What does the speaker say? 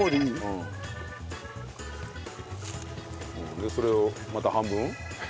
でそれをまた半分？